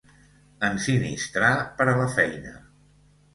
Ensinistrar per a la feina.